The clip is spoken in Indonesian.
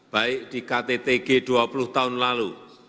baik di kttg dua puluh tahun lalu